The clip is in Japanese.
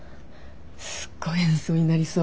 すっごい演奏になりそう。